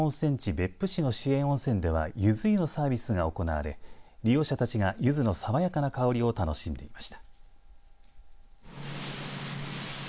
別府市の市営温泉ではゆず湯のサービスが行われ利用者たちがゆずの爽やかな香りを楽しんでいました。